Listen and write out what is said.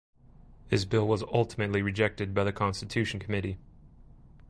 His bill was ultimately rejected by the Constitution committee.